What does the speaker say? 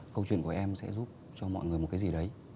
câu chuyện của em sẽ giúp cho mọi người một cái gì đấy